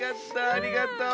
ありがとう。